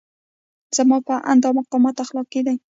زما په اند دا مقاومت اخلاقي دی.